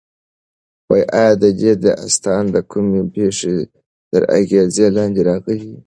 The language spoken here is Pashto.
ایا ته د دې داستان د کومې پېښې تر اغېز لاندې راغلی یې؟